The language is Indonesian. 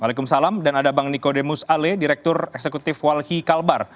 waalaikumsalam dan ada bang niko demus ale direktur eksekutif walhi kalbar